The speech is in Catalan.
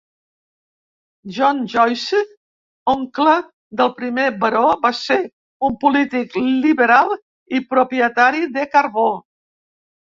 John Joicey, oncle del primer Baró, va ser un polític liberal i propietari de carbó.